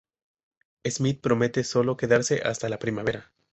Smith promete sólo quedarse hasta la primavera.